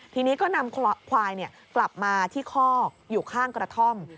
ทีนี้ก็นำควายกลับมาที่คอกอยู่ข้างกระท่อม